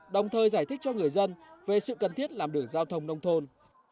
đồng thời giải thích cho người dân về sự cần thiết làm đường giao thông nông thôn